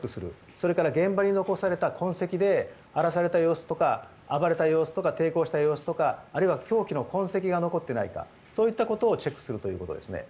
それと、現場に残された痕跡で荒らされた様子とか暴れた様子とか抵抗した様子とかあるいは凶器の痕跡が残っていないかをチェックすると。